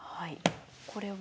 これは？